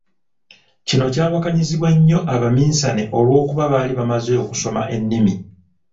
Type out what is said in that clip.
Kino kyawakanyizibwa nnyo abaminsane olw'okuba baali bamaze okusoma ennimi.